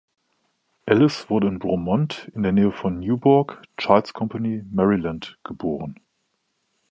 Alice wurde in „Bromont” in der Nähe von Newburg, Charles Company, Maryland, geboren.